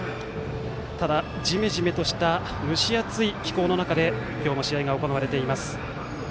ただ、じめじめとした蒸し暑い気候の中で今日も試合が行われています。